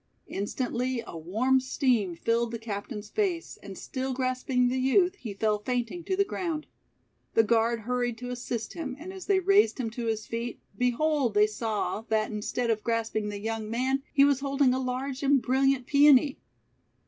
Instantly a warm steam filled the captain's face, and still grasping the youth, he fell fainting to the ground. The guard hurried to assist him, and as they raised him to his feet, behold, they saw that, instead of grasping the young man, he was holding a large and brilliant Peony!